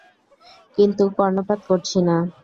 কিন্তু কর্ণপাত করছি না।